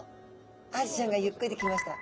アジちゃんがゆっくり来ました。